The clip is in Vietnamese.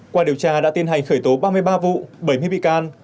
qua điều tra đã tiến hành khởi tố ba mươi ba vụ bảy mươi bị can